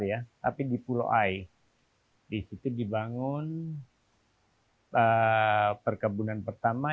yang diperebutkan penjajah